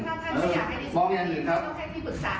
ถ้าท่านไม่อยากให้พี่ปรึกษากันนั่นกัน